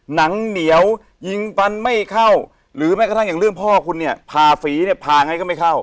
หนังเหนียวยิงฟันไม่เข้าหรือแม้กระทั่งอย่างเรื่องพ่อคุณเนี่ยพาฝีเนี่ยพาไงก็ไม่เข้า